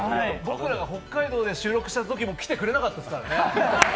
僕らが北海道で収録したときも来てくれなかったですからね。